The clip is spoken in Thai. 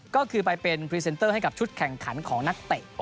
ก็คือไปเป็นพรีเซนเตอร์ให้กับชุดแข่งขันของนักเตะ